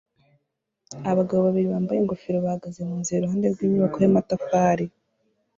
Abagabo babiri bambaye ingofero bahagaze munzira iruhande rw'inyubako y'amatafari